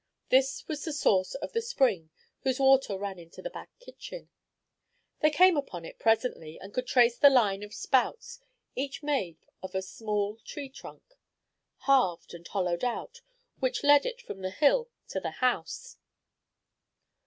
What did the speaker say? This was the source of the spring whose water ran into the back kitchen. They came upon it presently, and could trace the line of spouts, each made of a small tree trunk, halved and hollowed out, which led it from the hill to the house.